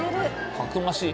たくましい。